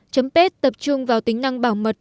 chấm page tập trung vào tính năng bảo mật